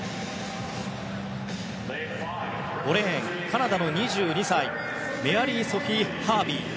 ５レーン、カナダの２２歳メアリー・ソフィー・ハービー。